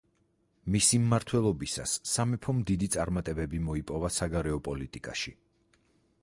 მისი მმართველობისას სამეფომ დიდი წარმატებები მოიპოვა საგარეო პოლიტიკაში.